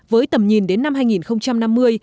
với tầm nhìn đến năm hai nghìn năm mươi